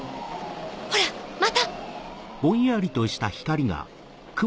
ほらまた。